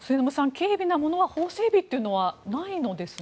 軽微なものは法整備というのはないのですね。